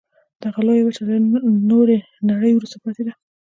دغه لویه وچه له نورې نړۍ وروسته پاتې ده.